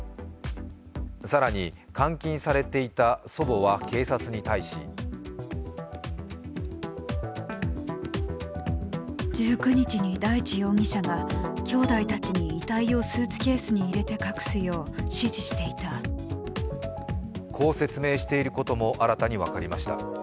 更に監禁されていた祖母は警察に対しこう説明していることも新たに分かりました。